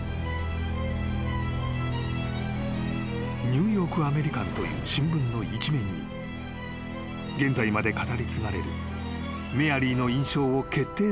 ［ニューヨーク・アメリカンという新聞の一面に現在まで語り継がれるメアリーの印象を決定